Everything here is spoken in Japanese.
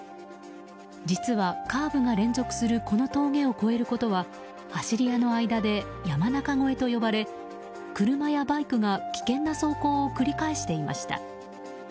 実は、カーブが連続するこの峠を越えることは走り屋の間で山中越えと呼ばれ車やバイクが危険な走行を繰り返していました。